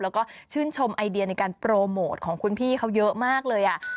แล้วก็ชื่นชมไอเดียในการโปรโมทของคุณพี่เขาเยอะมากเลย